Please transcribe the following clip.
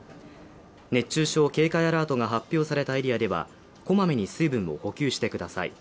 熱中症警戒アラートが発表されたエリアでは、こまめに水分を補給してください。